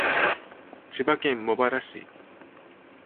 千葉県茂原市